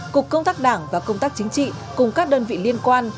cục công tác đảng và công tác chính trị cùng các đơn vị liên quan